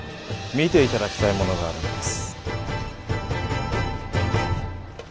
見ていただきたいものがあるんです。